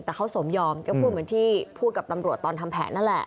แต่เขาสมยอมก็พูดเหมือนที่พูดกับตำรวจตอนทำแผนนั่นแหละ